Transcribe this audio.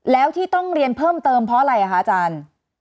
แล้วที่ต้องเรียนเพิ่มเติมเพราะอะไรคะอาจารย์